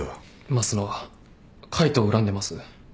益野は海藤を恨んでます。